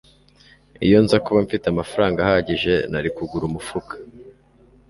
iyo nza kuba mfite amafaranga ahagije, nari kugura umufuka